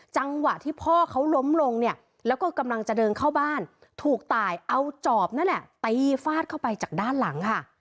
จังหวะที่พ่อเขาล้มลงเนี่ยแล้วก็กำลังจะเดินเข้าบ้านถูกตายเอาจอบนั่นแหละตีฟาดเข้าไปจากด้านหลังค่ะ